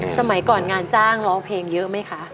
สมัยก่อนงานจ้างร้องเพลงเยอะไหมคะ